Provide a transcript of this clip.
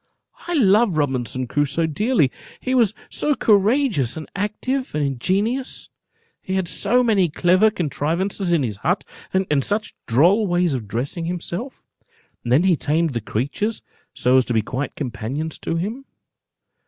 I love Robinson Crusoe dearly, he was so courageous, and active, and ingenious; he had so many clever contrivances in his hut, and such droll ways of dressing himself; and then he tamed the creatures so as to be quite companions to him.